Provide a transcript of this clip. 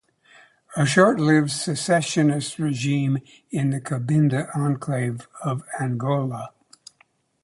A short-lived secessionist regime in the Cabinda enclave of Angola.